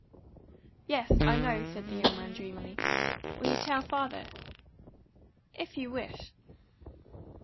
"Yes, I know," said the young man drearily. "Will you tell father?" "If you wish."